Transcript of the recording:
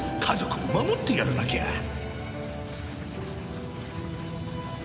家族を守ってやらなきゃ。